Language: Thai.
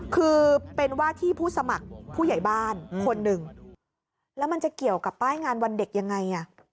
คือเป็นว่าที่ผู้สมัครผู้ใหญ่บ้านคนหนึ่งแล้วมันจะเกี่ยวกับป้ายงานวันเด็กยังไงอ่ะ